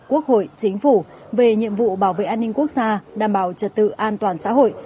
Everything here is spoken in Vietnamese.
quốc hội chính phủ về nhiệm vụ bảo vệ an ninh quốc gia đảm bảo trật tự an toàn xã hội